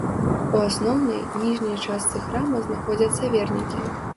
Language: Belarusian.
У асноўнай, ніжняй частцы храма знаходзяцца вернікі.